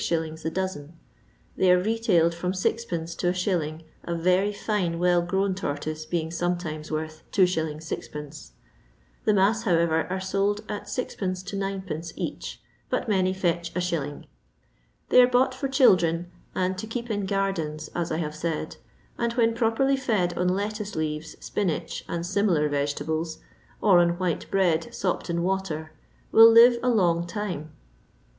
the dozen ; they are retailed from 6</. to 1«., a very fine well grown tortoise being sometimes worth 2». 6<i. The mass, however, are sold at Qd. to 9(i. each, but many fetch Is. They are bought for children, and to keep in gardens as I have said, and when properly fed on lettuce leaves, spinach, and similar vegetables, or on white bread sopped in water, will live a long time.